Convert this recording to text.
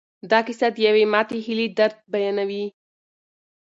دا کیسه د یوې ماتې هیلې درد بیانوي.